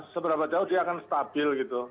seberapa jauh dia akan stabil gitu